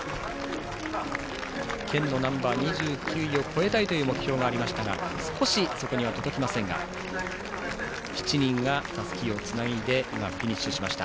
県のナンバー、２９位を超えたいという目標がありましたが少しそこには届きませんが７人がたすきをつないで今、フィニッシュしました。